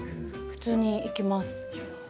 普通に行きます。